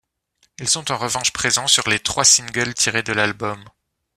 Ils sont en revanche présents sur les trois singles tirés de l'album.